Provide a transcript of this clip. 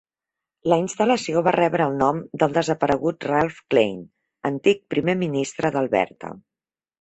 La instal·lació va rebre el nom del desaparegut Ralph Klein, antic primer ministre d'Alberta.